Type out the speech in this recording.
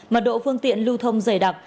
mặt độ phương tiện lưu thông dày đặc